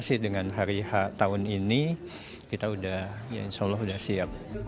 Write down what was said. sudah sih dengan hari tahun ini kita sudah insya allah sudah siap